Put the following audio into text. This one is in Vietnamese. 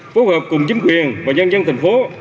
phối hợp cùng chính quyền và nhân dân tp